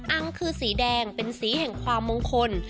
องคือสีแดงเป็นสีแห่งความมงคล